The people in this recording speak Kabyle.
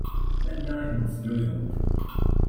Anda ay tent-tezzuznemt?